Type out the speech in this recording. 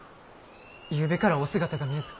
ゆうべからお姿が見えず。